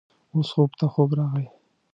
اوس خوب ته ځواب راغی.